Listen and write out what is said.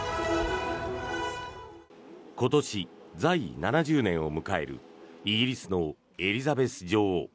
今年、在位７０年を迎えるイギリスのエリザベス女王。